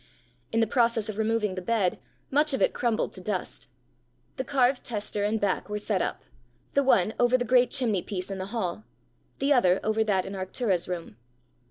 In the process of removing the bed, much of it crumbled to dust. The carved tester and back were set up, the one over the great chimney piece in the hall, the other over that in Arctura's room.